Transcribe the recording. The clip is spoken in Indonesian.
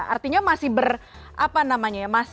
artinya masih ber apa namanya ya